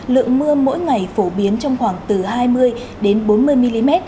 lượng mưa mỗi ngày phổ biến trong khoảng từ hai mươi đến bốn mươi mm